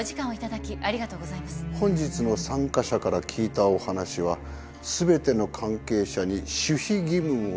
本日の参加者から聞いたお話は全ての関係者に守秘義務を。